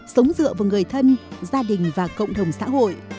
sống dựa vào người thân gia đình và cộng đồng xã hội